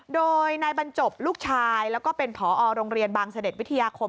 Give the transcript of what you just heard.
โดยนายบรรจบลูกชายแล้วก็เป็นผอโรงเรียนบางเสด็จวิทยาคม